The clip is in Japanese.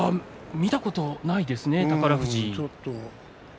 見たことがないですね宝富士。